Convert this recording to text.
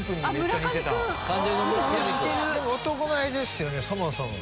男前ですよねそもそも。